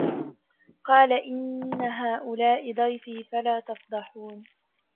قَالَ إِنَّ هَؤُلَاءِ ضَيْفِي فَلَا تَفْضَحُونِ